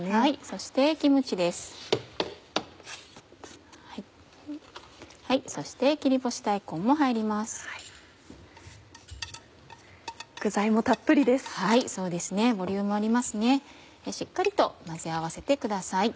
しっかりと混ぜ合わせてください。